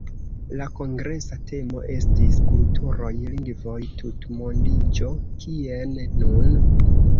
La kongresa temo estis “Kulturoj, lingvoj, tutmondiĝo: Kien nun?”.